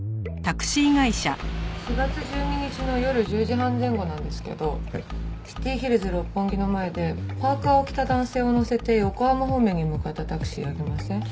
４月１２日の夜１０時半前後なんですけどＣｉｔｙＨｉｌｌｓ六本木の前でパーカを着た男性を乗せて横浜方面に向かったタクシーありません？